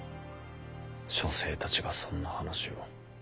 書生たちがそんな話を。